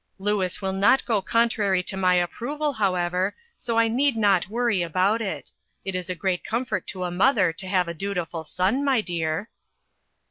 Louis will not go contrary to my approval, however, so I need not worry about it. It is a great comfort to a mother to have a dutiful son, my dear."